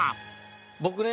僕ね